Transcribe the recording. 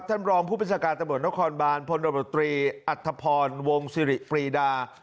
ท่านรองผู้ประชาการตำรวจนครบานพลตำรวจตรีอัธพรวงสิริปรีดา